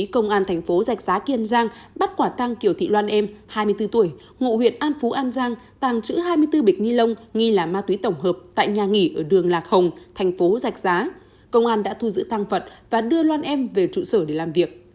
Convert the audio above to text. công an tp giạch giá tp giạch giang bắt quả tăng kiều thị loan em hai mươi bốn tuổi ngụ huyện an phú an giang tăng chữ hai mươi bốn bịch nghi lông nghi là ma túy tổng hợp tại nhà nghỉ ở đường lạc hồng tp giạch giá công an đã thu giữ tăng vật và đưa loan em về trụ sở để làm việc